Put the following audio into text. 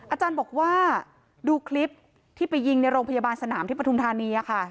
อาจารย์บอกว่าดูคลิปที่ไปยิงในโรงพยาบาลสนามที่ปฐุมธานี